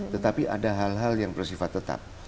tetapi ada hal hal yang bersifat tetap